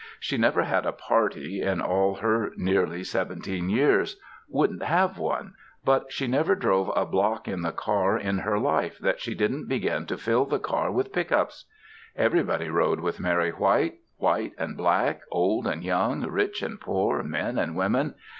She never had a "party" in all her nearly seventeen years wouldn't have one; but she never drove a block in the car in her life that she didn't begin to fill the car with pick ups! Everybody rode with Mary White white and black, old and young, rich and poor, men and women.